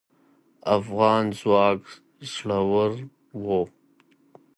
افغان ځواک زړور و